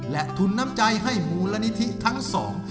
และทุนน้ำใจให้มูลนิธิทั้งสอง